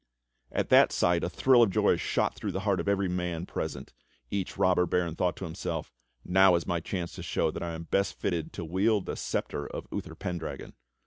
At that sight a thrill of joy shot through the heart of every man present. Each robber baron thought to himself: "Now is my chance to show that I am best fitted to wield the sceptre of Uther Pendragon."